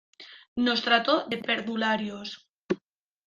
Nos trató de perdularios.